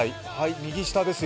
右下ですよ。